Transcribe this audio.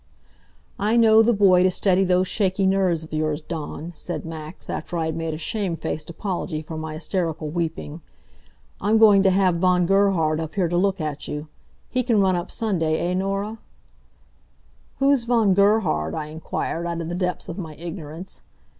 "I know the boy to steady those shaky nerves of yours, Dawn," said Max, after I had made a shamefaced apology for my hysterical weeping, "I'm going to have Von Gerhard up here to look at you. He can run up Sunday, eh, Norah?" "Who's Von Gerhard?" I inquired, out of the depths of my ignorance.